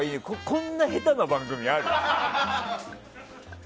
こんな下手な番組ある？